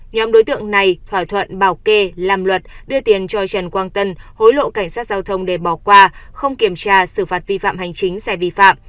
nhóm đối tượng này thỏa thuận bảo kê làm luật đưa tiền cho trần quang tân hối lộ cảnh sát giao thông để bỏ qua không kiểm tra xử phạt vi phạm hành chính xe vi phạm